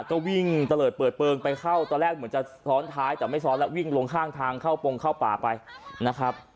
ก็วิ่งตะเลิดเปิดเปลืองไปเข้าตอนแรกเหมือนจะซ้อนท้ายแต่ไม่ซ้อนแล้ววิ่งลงข้างทางเข้าโปรงเข้าป่าไปนะครับ